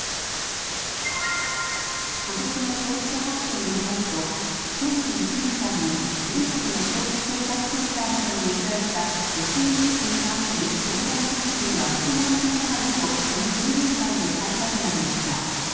ことしの消費者白書によりますと去年１年間に全国の消費生活センターなどに寄せられたＳＮＳに関する相談件数は６万件余りとこの１０年間で最多となりました。